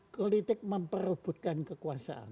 politik memperebutkan kekuasaan